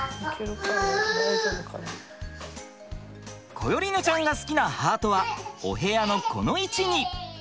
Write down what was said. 心縁乃ちゃんが好きなハートはお部屋のこの位置に。